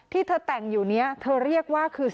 ที่เธอแต่งอยู่นี้เธอเรียกว่าคือ